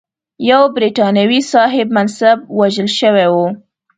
یو برټانوي صاحب منصب وژل شوی و.